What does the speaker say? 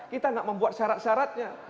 kita tidak membuat syarat syaratnya